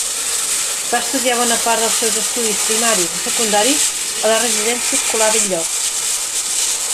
Va estudiar bona part dels seus estudis primaris i secundaris a La Residència Escolar Bell-lloc.